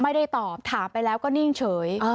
ไม่ได้ตอบถามไปแล้วก็นิ่งเฉย